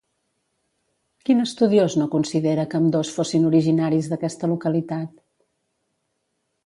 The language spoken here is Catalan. Quin estudiós no considera que ambdós fossin originaris d'aquesta localitat?